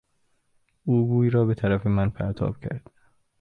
او گوی را به طرف من پرتاب کرد.